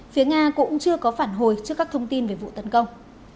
phía nga cũng chưa có phản hồi trước các thông tin về vụ tấn công